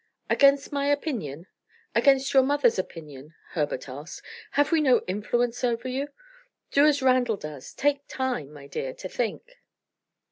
"Against my opinion? Against your mother's opinion?" Herbert asked. "Have we no influence over you? Do as Randal does take time, my dear, to think."